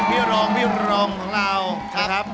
พี่รองของเรา